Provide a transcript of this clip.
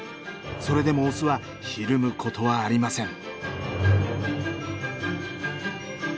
それでもオスはひるむことはありません。